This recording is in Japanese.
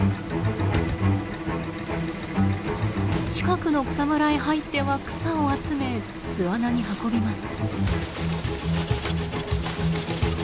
近くの草むらへ入っては草を集め巣穴に運びます。